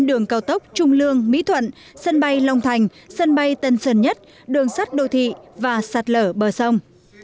đường cao tốc trung lương mỹ thuận sân bay long thành sân bay tân sơn nhất đường sắt đô thị và sạt lở bờ sông